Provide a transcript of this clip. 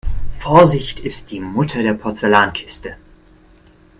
Vorsicht ist die Mutter der Porzellankiste.